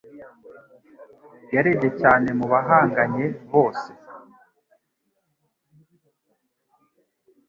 Yarebye cyane mubahanganye bose.